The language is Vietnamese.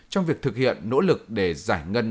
trong việc thực hiện nỗ lực để giải ngân